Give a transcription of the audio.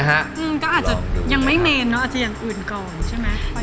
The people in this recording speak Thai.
ก็อาจจะยังไม่เมนเนอะอาจจะอย่างอื่นก่อนใช่ไหม